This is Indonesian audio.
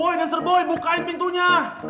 woy nesterboy bukain pintunya